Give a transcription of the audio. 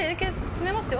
つめますよ。